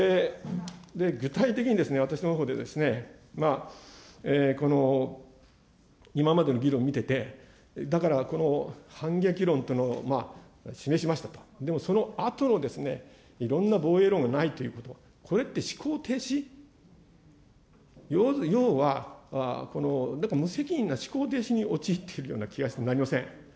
具体的に私のほうでこの今までの議論を見てて、だからこの反撃論というのを示しましたと、でもそのあとのいろんな防衛論がないということ、これって思考停止、要は、無責任な思考停止に陥っているような気がしてなりません。